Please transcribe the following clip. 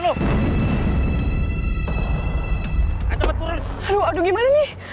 ada kbenci twit compacts aduh aduh gimana nih